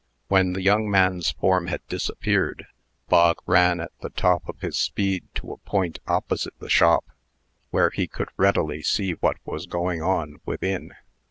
When the young man's form had disappeared, Bog ran at the top of his speed to a point opposite the shop, where he could readily see what was going on within.